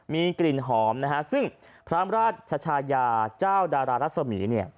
มีกลิ่นหอมซึ่งพระอำราชชายาเจ้าดารรัศมีศ์